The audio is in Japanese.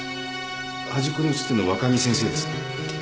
端っこに写ってるの若木先生ですか？